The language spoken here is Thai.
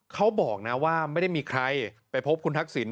เขาบอกนะว่าไม่ได้มีใครไปพบคุณทักษิณ